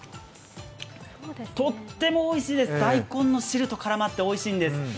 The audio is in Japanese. とってもおいしいです、大根の汁と絡まっておいしいんです。